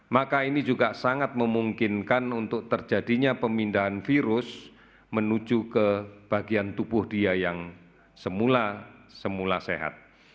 maka ini juga sangat memungkinkan untuk terjadinya pemindahan virus menuju ke bagian tubuh dia yang semula semula sehat